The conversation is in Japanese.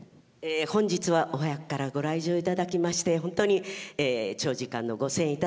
本日はお早くからご来場いただきまして本当に長時間のご声援いただきましてありがとうございました。